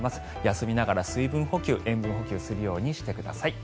休みながら水分補給、塩分補給をするようにしてください。